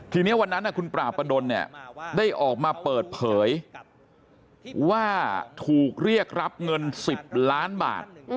ทีนี้วันนั้นคุณปราบประดนเนี่ยได้ออกมาเปิดเผยว่าถูกเรียกรับเงิน๑๐ล้านบาท